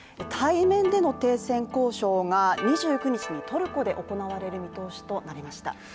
対面での停戦交渉が２９日にトルコで行われる見通しとなりました。